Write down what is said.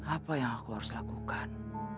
apa yang aku harus lakukan